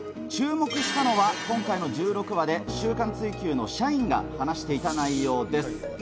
注目したのは今回の１６話で『週刊追求』の社員が話していた内容です。